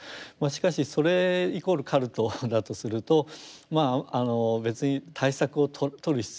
しかしそれイコールカルトだとすると別に対策を取る必要もない。